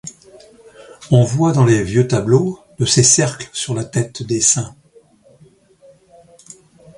On voit, dans les vieux tableaux, de ces cercles sur la tête des saints.